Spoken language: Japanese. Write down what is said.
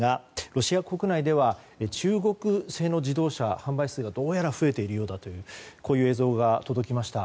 ロシア国内では中国製の自動車の販売数がどうやら増えているようだという映像が届きました。